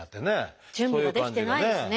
準備ができてないですね。